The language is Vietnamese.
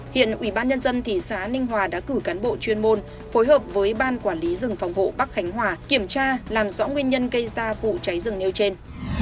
hiện ủy ban nhân dân thị xã ninh hòa đã cử cán bộ chuyên môn phối hợp với ban quản lý rừng phòng hộ bắc khánh hòa kiểm tra làm rõ nguyên nhân gây ra vụ cháy rừng nêu trên